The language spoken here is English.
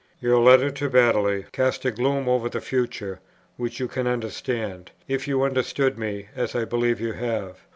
Your letter to Badeley casts a gloom over the future, which you can understand, if you have understood me, as I believe you have.